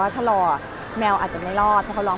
พอมีอะไรใกล้ดูเอง